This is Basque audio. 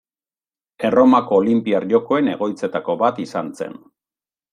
Erromako Olinpiar Jokoen egoitzetako bat izan zen.